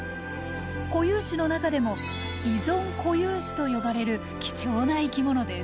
固有種の中でも遺存固有種と呼ばれる貴重な生き物です。